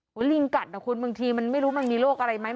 ลิงกัดนะคุณบางทีมันไม่รู้มันมีโรคอะไรไหม